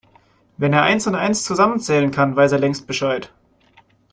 Wenn er eins und eins zusammenzählen kann, weiß er längst Bescheid.